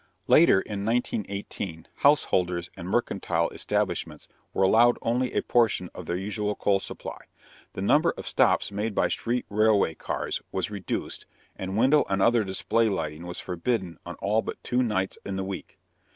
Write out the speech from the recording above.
Later in 1918 householders and mercantile establishments were allowed only a portion of their usual coal supply, the number of stops made by street railway cars was reduced, and window and other display lighting was forbidden on all but two nights in the week.